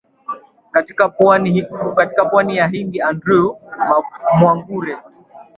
katika pwani ya hindi andrew mwagura